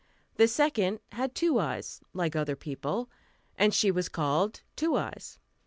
The second had two eyes, like other people, and she was called "Two Eyes."